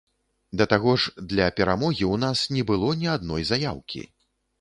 Да таго ж, для перамогі у нас не было ні адной заяўкі.